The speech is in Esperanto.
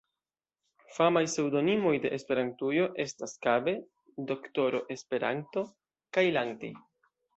Famaj pseŭdonimoj de Esperantujo estas Kabe, D-ro Esperanto kaj Lanti.